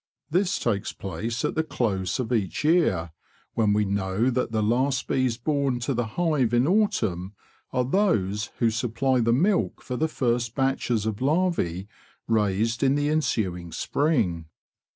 This takes place at the close of each year, when we know that the last bees born to the hive in autumn are those who supply the milk for the first batches of larve raised in the ensuing spring.